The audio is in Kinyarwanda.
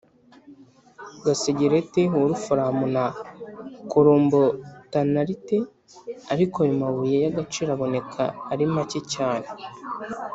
gasegereti, (wolufaramu) na (kolumbotanalite), ariko ayo mabuye y'agaciro aboneka ari make cyane.